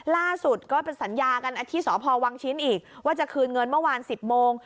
ล่าสุดก็เป็นสัญญากันที่สพวังชิ้นอีกว่าจะคืนเงินเมื่อวาน๑๐โมง